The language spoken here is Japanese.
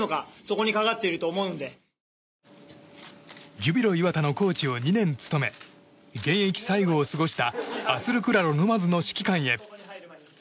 ジュビロ磐田のコーチを２年務め現役最後を過ごしたアスルクラロ沼津の指揮官へ。